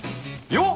よっ！